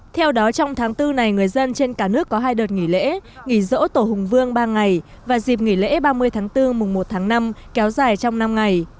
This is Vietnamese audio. theo đó trong tháng bốn này người dân trên cả nước có hai đợt nghỉ lễ nghỉ dỗ tổ hùng vương ba ngày và dịp nghỉ lễ ba mươi tháng bốn mùng một tháng năm kéo dài trong năm ngày